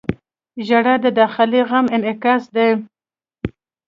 • ژړا د داخلي غم انعکاس دی.